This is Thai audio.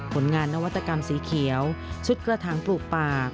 ผลงานนวัตกรรมสีเขียวชุดกระถางปลูกป่า